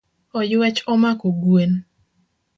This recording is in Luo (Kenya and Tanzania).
Oyuech omako gwen.